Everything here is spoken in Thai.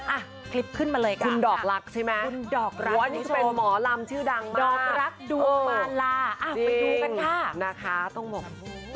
อ่ะคลิปขึ้นมาเลยค่ะคุณดอกรักใช่ไหมดอกรักดูมาลาอ่ะไปดูกันค่ะ